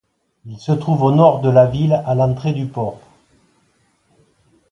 Il se trouve au nord de la ville, à l'entrée du port.